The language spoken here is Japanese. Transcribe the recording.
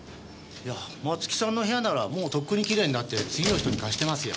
いや松木さんの部屋ならもうとっくにきれいになって次の人に貸してますよ。